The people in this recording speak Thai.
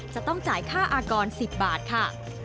จะต้องจ่ายค่าอากร๑๐บาทค่ะ